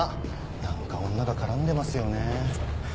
何か女が絡んでますよね。